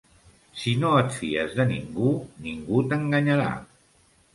Si no et fies de ningú, ningú t'enganyarà.